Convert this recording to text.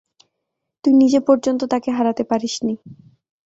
তুই নিজে পর্যন্ত তাকে হারাতে পারিসনি।